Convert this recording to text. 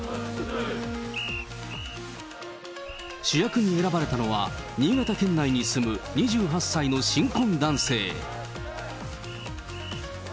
主役に選ばれたのは新潟県内に住む２８歳の新婚男性。